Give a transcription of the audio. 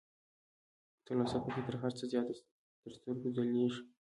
تلوسه پکې تر هر څه زياته تر سترګو ځلېږي